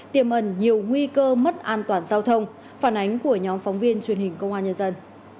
tiềm ẩn nhiều nguy cơ mất an toàn giao thông phản ánh của nhóm phóng viên truyền hình công an nhân dân